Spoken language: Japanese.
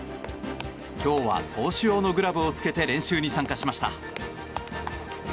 今日は投手用のグラブを着けて練習に参加しました。